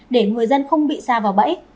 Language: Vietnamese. để người dân không bị xa vào bẫy